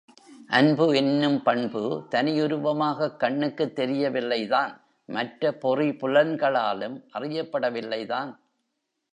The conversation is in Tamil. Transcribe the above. அன்பு என்னும் பண்பு தனியுருவமாகக் கண்ணுக்குத் தெரியவில்லைதான் மற்ற பொறி புலன்களாலும் அறியப்படவில்லைதான்.